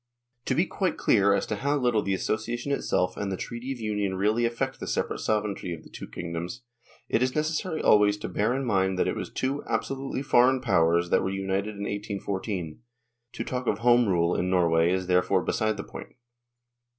To be quite clear as to how little the association itself and the Treaty of Union really affect the separate sovereignty of the two kingdoms, it is necessary always to bear in mind that it was two absolutely foreign Powers that were united in 1814; to talk of " Home Rule " in Norway is therefore beside the point.